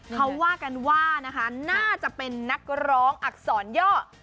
เขาว่ากันว่านะคะน่าจะเป็นนักร้องอักษรย่อ